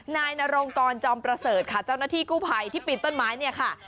นายนรงกรจอมประเสริฐค่ะเจ้าหน้าที่กู้ภัยที่ปีนต้นไม้เนี่ยค่ะ